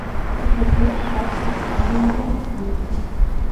У чацвер ападкі таксама не прагназуюцца.